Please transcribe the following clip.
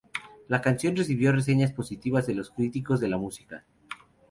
La canción recibió reseñas positivas de los críticos de la música.